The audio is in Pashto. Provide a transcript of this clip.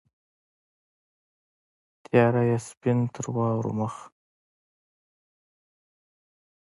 تیاره یې سپین تر واورو مخ